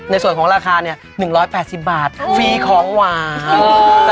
ในส่วนของราคาเนี่ย๑๘๐บาทฟรีของหวาน